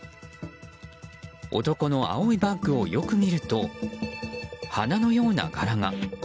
男の青いバッグをよく見ると花のような柄が。